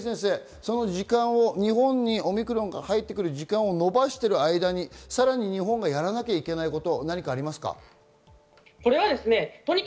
峰先生、日本にオミクロンが入ってくる時間を延ばしている間にさらに日本がやらなきゃいけないこと、何かありますか？